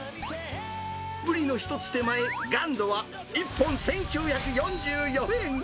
ブリの１つ手前、ガントは１本１９４４円。